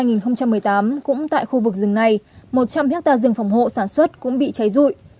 năm hai nghìn một mươi tám cũng tại khu vực rừng này một trăm linh hectare rừng phòng hộ sản xuất cũng bị cháy rụi